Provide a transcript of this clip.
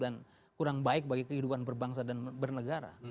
dan kurang baik bagi kehidupan berbangsa dan bernegara